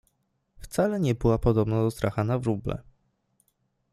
Wcale nie była podobna do stracha na wróble.